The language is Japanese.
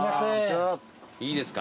いいですか？